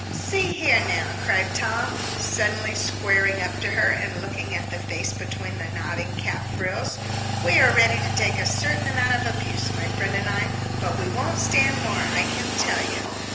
"See here, now," cried Tom, suddenly squaring up to her and looking at the face between the nodding cap frills, "we are ready to take a certain amount of abuse, my friend and I, but we won't stand more, I can tell you."